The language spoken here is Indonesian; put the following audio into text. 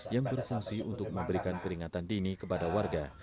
yang berfungsi untuk memberikan peringatan dini kepada warga